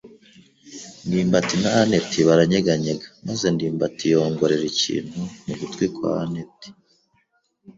ndimbati na anet baranyeganyega maze ndimbati yongorera ikintu mu gutwi kwa anet.